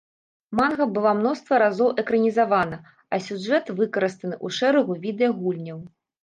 Манга была мноства разоў экранізавана, а сюжэт выкарыстаны ў шэрагу відэа-гульняў.